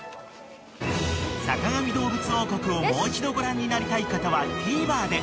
［『坂上どうぶつ王国』をもう一度ご覧になりたい方はＴＶｅｒで］